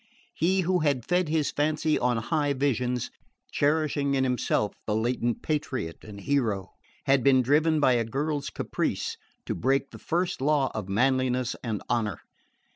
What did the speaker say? He who had fed his fancy on high visions, cherishing in himself the latent patriot and hero, had been driven by a girl's caprice to break the first law of manliness and honour!